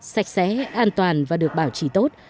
sạch sẽ an toàn và được bảo trì tốt